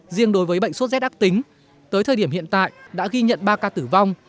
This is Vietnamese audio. riêng đối với bệnh sốt rét ác tính tới thời điểm hiện tại đã ghi nhận ba ca tử vong